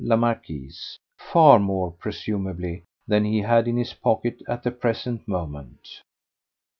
la Marquise, far more, presumably, than he had in his pocket at the present moment.